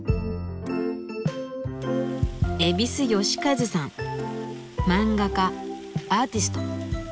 蛭子能収さん漫画家アーティスト。